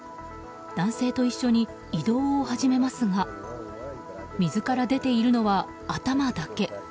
男性と一緒に移動を始めますが水から出ているのは頭だけ。